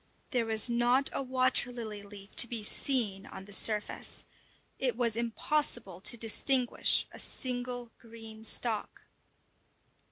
There was not a water lily leaf to be seen on the surface; it was impossible to distinguish a single green stalk.